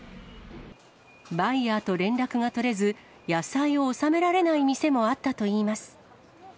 バイヤーと連絡が取れず、野菜を納められない店もあったといいます。